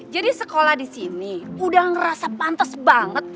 jadi sekolah disini udah ngerasa pantes banget